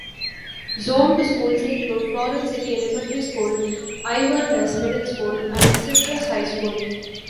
Zoned schools include Floral City Elementary School, Inverness Middle School, and Citrus High School.